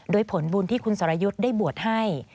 โดยผลบุญที่คุณสรยุทธ์ได้บวชให้